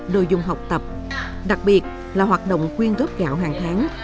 đồ dùng học tập đặc biệt là hoạt động quyên góp gạo hàng tháng